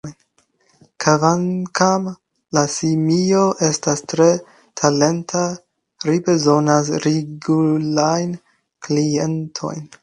Kvankam la simio estas tre talenta, ri bezonas regulajn klientojn.